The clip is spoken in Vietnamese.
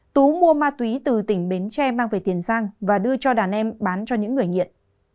tú mua ma túy từ tỉnh bến tre mang về tiền giang và đưa cho đàn em bán cho những người nghiện